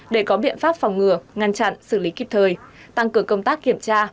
để có biện pháp phòng ngừa ngăn chặn xử lý kịp thời tăng cường công tác kiểm tra